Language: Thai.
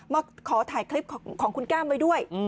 มาขอถ่ายคลิปของคุณแก้มไว้ด้วย